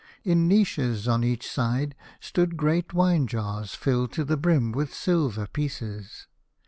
In niches upon each side stood great wine jars filled to the brim with silver pieces.